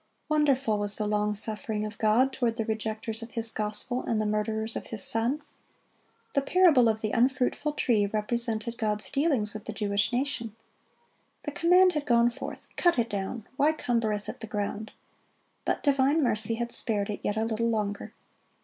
Wonderful was the long suffering of God toward the rejecters of His gospel and the murderers of His Son. The parable of the unfruitful tree represented God's dealings with the Jewish nation. The command had gone forth, "Cut it down; why cumbereth it the ground?"(37) but divine mercy had spared it yet a little longer.